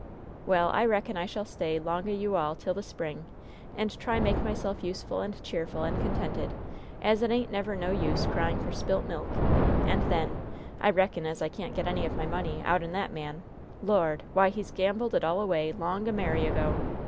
Well, I reckon I shall stay 'long o' you all till the spring, and try make myself useful and cheerful and contented, as it ain't never no use crying for spilt milk; and, then, I reckon as I can't get any of my money out'n that man Lord! why, he's gambled it all away long a merry ago!